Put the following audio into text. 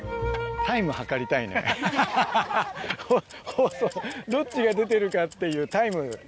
放送どっちが出てるかっていうタイム。